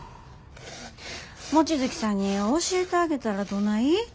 望月さんに教えてあげたらどない？